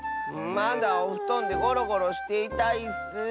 まだおふとんでゴロゴロしていたいッス。